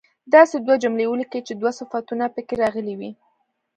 داسې دوې جملې ولیکئ چې دوه صفتونه په کې راغلي وي.